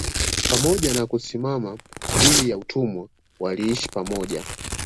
Pamoja na kusimama dhidi ya utumwa waliishi pamoja